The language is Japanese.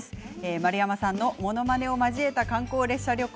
丸山さんのものまねを交えた観光列車旅行